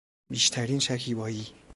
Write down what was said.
بیشترین شکیبایی